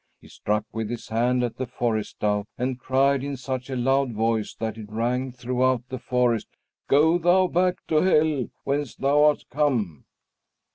He struck with his hand at the forest dove and cried in such a loud voice that it rang throughout the forest, "Go thou back to hell, whence thou art come!"